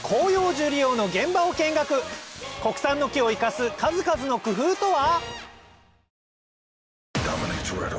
国産の木を生かす数々の工夫とは？